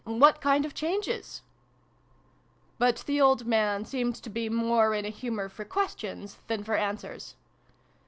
What kind of changes ?" But the old man seemed to be more in a humour for questions than for answers.